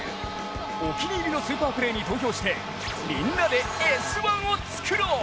お気に入りのスーパープレーに投票してみんなで「Ｓ☆１」をつくろう！